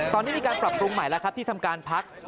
ตอนนี้มีการปรับปรุงใหม่แล้วครับที่ทำการพัก